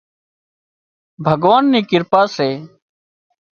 ڀڳوانَ نِي ڪرپا سي